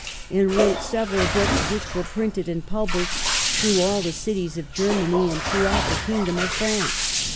. and wrote several books, which were printed and published through all the cities of Germany and throughout the kingdom of France